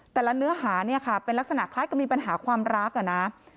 เนื้อหาเนี่ยค่ะเป็นลักษณะคล้ายกับมีปัญหาความรักอะนะ